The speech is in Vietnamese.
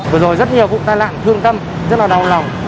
vừa rồi rất nhiều vụ tai nạn thương tâm rất là đau lòng